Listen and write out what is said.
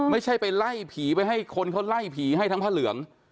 ไม่ใช่ไปไล่ผีไปให้คนเขาไล่ผีให้ทั้งผ้าเหลือง